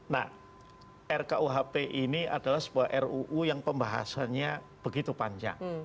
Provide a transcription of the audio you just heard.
nah rkuhp ini adalah sebuah ruu yang pembahasannya begitu panjang